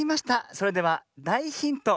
それではだいヒント